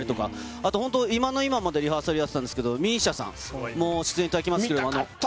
あと本当、今の今までリハーサルやってたんですけれども、ＭＩＳＩＡさん、出演いただきますけれども。